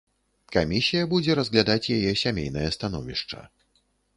Камісія будзе разглядаць яе сямейнае становішча.